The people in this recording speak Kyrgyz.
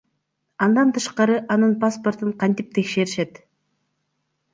Андан тышкары анын паспортун кантип текшеришет?